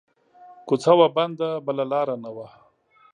کو څه وه بنده بله لار نه وه